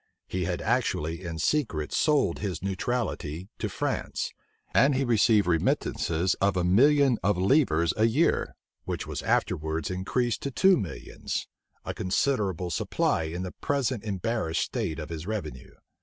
He had actually in secret sold his neutrality to France, and he received remittances of a million of livres a year, which was afterwards increased to two millions; a considerable supply in the present embarrassed state of his revenue.